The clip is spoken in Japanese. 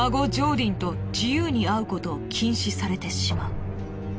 ディンと自由に会うことを禁止されてしまう。